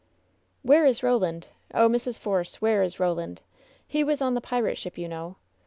^^HEBB is Roland ? Oh, Mrs. Force, where is Ro land? He was on the pirate ship, you know!